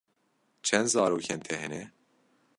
Çend zarokên te hene?